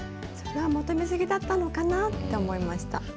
それは求めすぎだったのかなって思いました。